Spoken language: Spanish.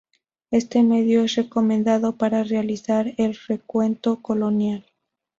Este medio es recomendado para realizar el recuento colonial.